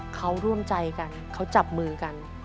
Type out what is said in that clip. เขาร่วมใจกันเขาจับมือกัน